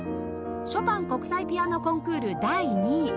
ショパン国際ピアノコンクール第２位